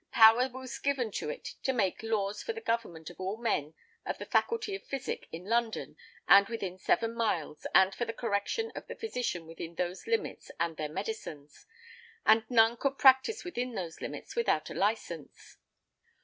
Power was given to it to make laws for the government of all men of the faculty of physic in London and within seven miles, and for the correction of the physicians within those limits and their medicines: and none could practise within those limits without a license.